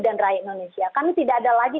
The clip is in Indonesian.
dan rakyat indonesia kami tidak ada lagi